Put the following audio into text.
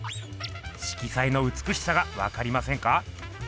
色彩のうつくしさがわかりませんか？